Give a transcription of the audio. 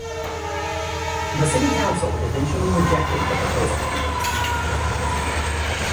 The city council eventually rejected the proposal.